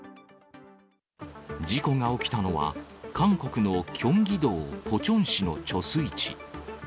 事故が起きたのは、韓国のキョンギ道ポチョン市の貯水池。